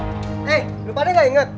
eh lo pada gak inget